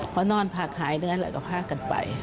พอนอนพาขายเนื้อแล้วก็พากันไป